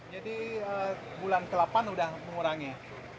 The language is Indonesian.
jadi bulan ke delapan sudah mengurangnya